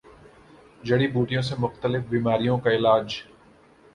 جڑی بوٹیوں سےمختلف بیماریوں کا علاج